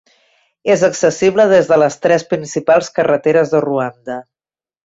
És accessible des de les tres principals carreteres de Ruanda.